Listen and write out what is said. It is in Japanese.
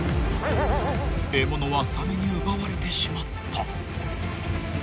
［獲物はサメに奪われてしまった］